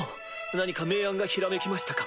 何か名案がひらめきましたか？